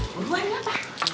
buruan nggak pak